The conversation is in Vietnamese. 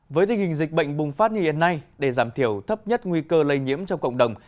với tình hình dịch bệnh bùng phát như hiện nay để giảm thiểu thấp nhất nguy cơ lây nhiễm trong cộng đồng